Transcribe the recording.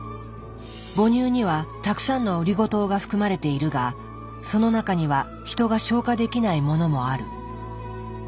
母乳にはたくさんのオリゴ糖が含まれているがその中にはヒトが消化できないものもある。